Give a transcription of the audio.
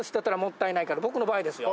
僕の場合ですよ。